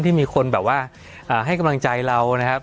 ที่มีคนแบบว่าให้กำลังใจเรานะครับ